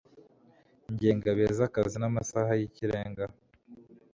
ingengabihe z akazi n amasaha y ikirenga